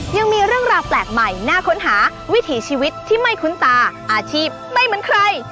ยังมีเรื่องราวแปลกใหม่น่าค้นหาวิถีชีวิตที่ไม่คุ้นตาอาชีพไม่เหมือนใคร